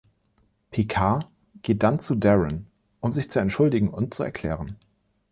Picard geht dann zu Daren, um sich zu entschuldigen und zu erklären.